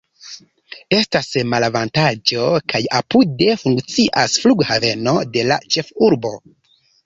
Estas malavantaĝo, ke apude funkcias flughaveno de la ĉefurbo.